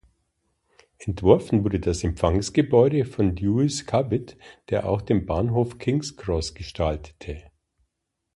Entworfen wurde das Empfangsgebäude von Lewis Cubitt, der auch den Bahnhof King’s Cross gestaltete.